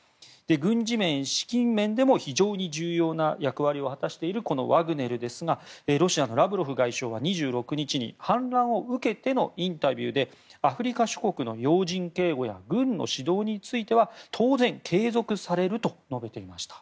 軍事面、資金面でも非常に重要な役割を果たしているワグネルですがロシアのラブロフ外相は２６日反乱を受けてのインタビューでアフリカ諸国の要人警護や軍の指導については当然継続されると述べていました。